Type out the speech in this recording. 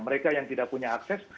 mereka yang tidak punya akses